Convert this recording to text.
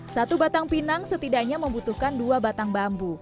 satu batang pinang setidaknya membutuhkan dua batang bambu